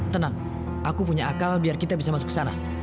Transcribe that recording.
tenang aku punya akal biar kita bisa masuk ke sana